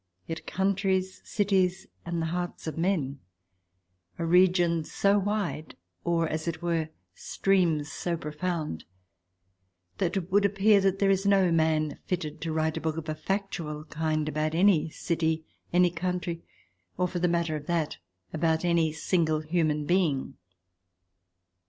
Yet countries, cities, and the hearts of men, are regions so wide, or, as it were, streams so profound, that it would appear that there is no man fitted to write a book of a factual kind about any city, any country, or, for the matter of that, about any single human being.